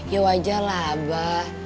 yauh aja lah abah